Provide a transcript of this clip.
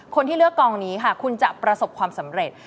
คนที่เลือกกองนี้ค่ะคุณจะประสบความสำเร็จ